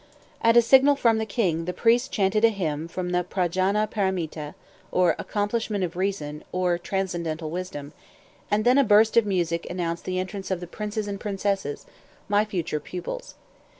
At a signal from the king, the priests chanted a hymn from the "P'ra jana Para mita"; [Footnote: "Accomplishment of Reason," or "Transcendental Wisdom."] and then a burst of music announced the entrance of the princes and princesses, my future pupils.